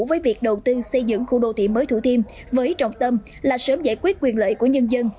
với việc đầu tư xây dựng khu đô thị mới thủ thiêm với trọng tâm là sớm giải quyết quyền lợi của nhân dân